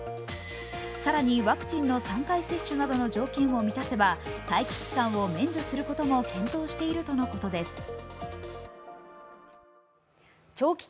更にワクチンの３回接種などの条件を満たせば待機期間を免除することも検討しているということです。